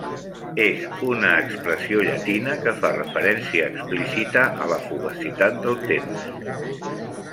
És una expressió llatina que fa referència explícita a la fugacitat del temps.